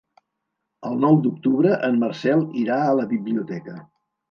El nou d'octubre en Marcel irà a la biblioteca.